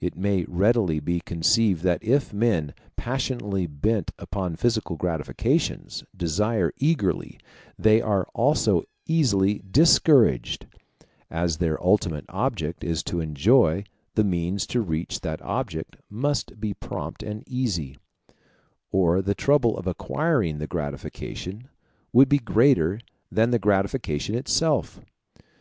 It may readily be conceived that if men, passionately bent upon physical gratifications, desire eagerly, they are also easily discouraged: as their ultimate object is to enjoy, the means to reach that object must be prompt and easy, or the trouble of acquiring the gratification would be greater than the gratification itself.